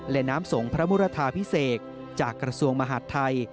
และน้ำสงฆ์พระมุรทาพิเศษจากกระทรวงมหาดไทย